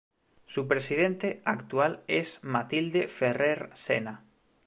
Su presidente actual es "Matilde Ferrer Sena".